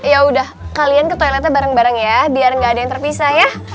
ya udah kalian ke toilet barang barang ya biar gak ada yang terpisah ya